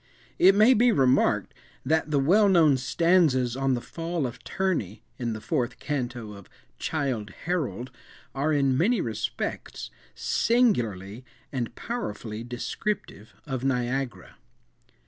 It may be remarked, that the well known stanzas on the "Fall of Terni," in the fourth canto of "Childe Harold," are, in many respects, singularly and powerfully descriptive of Niagara.